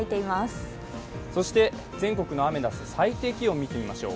全国のアメダス最低気温を見てみましょう。